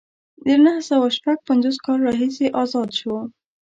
له نهه سوه شپږ پنځوس کال راهیسې ازاد شو.